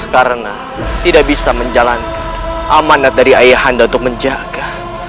karena tidak bisa menjalankan amanat dari ayahanda untuk menjaga